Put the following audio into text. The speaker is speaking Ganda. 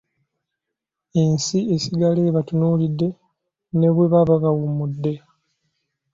Ensi esigala ebatunuulidde ne bwe baba bawummudde.